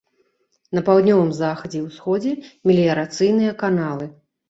На паўднёвым захадзе і ўсходзе меліярацыйныя каналы.